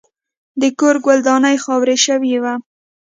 د کور ګلداني خاوره شوې وه.